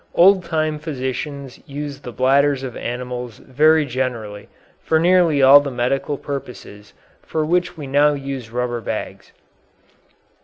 Old time physicians used the bladders of animals very generally for nearly all the medical purposes for which we now use rubber bags.